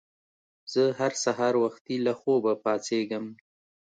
زه هر سهار وختي له خوبه پاڅیږم.